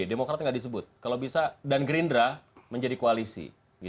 demokrat nggak disebut kalau bisa dan gerindra menjadi koalisi